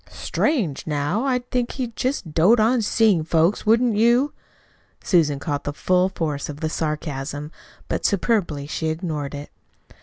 "Strange! Now, I'd think he'd just dote on seeing folks, wouldn't you?" Susan caught the full force of the sarcasm, but superbly she ignored it.